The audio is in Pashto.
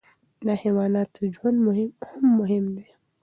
د حیواناتو ژوند هم مهم دی.